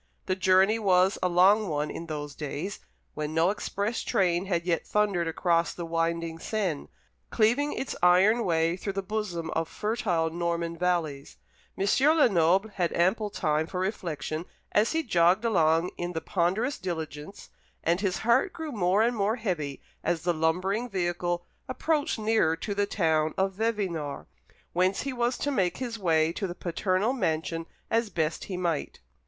The journey was a long one in those days, when no express train had yet thundered across the winding Seine, cleaving its iron way through the bosom of fertile Norman valleys. M. Lenoble had ample time for reflection as he jogged along in the ponderous diligence; and his heart grew more and more heavy as the lumbering vehicle approached nearer to the town of Vevinord, whence he was to make his way to the paternal mansion as best he might.